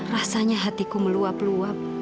rasanya hatiku meluap luap